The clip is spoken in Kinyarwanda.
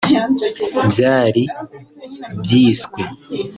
byari byiswe